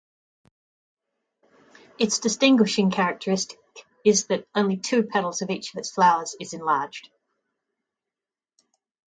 Its distinguishing characteristic is that only two petals of each its flowers is enlarged.